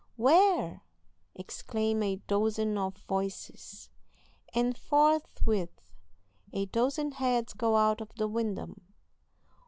"Where?" exclaim a dozen of voices, and forthwith a dozen heads go out of the window.